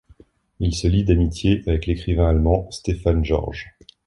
Il se lie d'amitié avec l'écrivain allemand Stefan George.